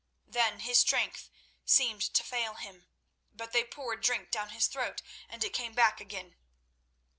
Then his strength seemed to fail him, but they poured drink down his throat, and it came back again.